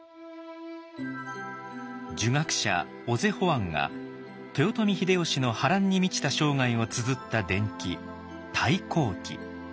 儒学者小瀬甫庵が豊臣秀吉の波乱に満ちた生涯をつづった伝記「太閤記」。